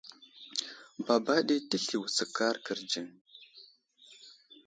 Baba ɗi təsli wutskar kərdziŋ.